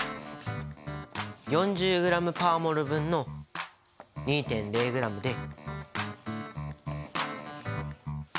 ４０ｇ／ｍｏｌ分の２．０ｇで。